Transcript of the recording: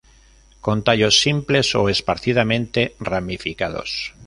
Con tallos simples o esparcidamente ramificados.